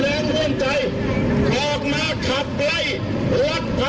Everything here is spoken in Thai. ภาคภูมิภาคภูมิ